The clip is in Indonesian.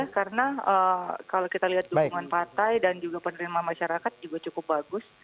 karena kalau kita lihat dukungan partai dan penerima masyarakat juga cukup bagus